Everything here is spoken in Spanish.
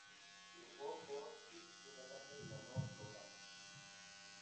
Triunfó por decisión unánime y ganó el programa.